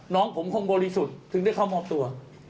น้องผมคงบริสุทธิ์ถึงได้เข้ามอบตัว